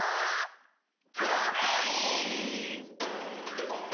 「ゴーサイン」！